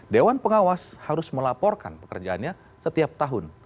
dewan pengawas harus melaporkan pekerjaannya setiap tahun